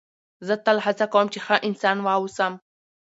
زه تل هڅه کوم، چي ښه انسان واوسم.